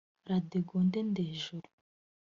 Ladegonde Ndejuru